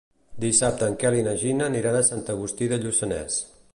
Dissabte en Quel i na Gina aniran a Sant Agustí de Lluçanès.